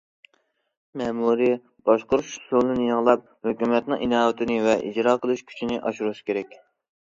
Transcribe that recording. مەمۇرىي باشقۇرۇش ئۇسۇلىنى يېڭىلاپ، ھۆكۈمەتنىڭ ئىناۋىتىنى ۋە ئىجرا قىلىش كۈچىنى ئاشۇرۇش كېرەك.